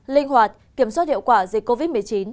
linh hoạt kiểm soát hiệu quả dịch covid một mươi chín